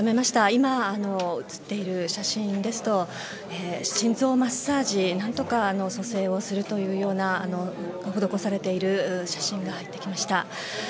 今、映っている写真ですと心臓マッサージ何とか蘇生をするというような施されている写真がありました。